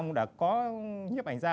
cũng đã có nhấp ảnh ra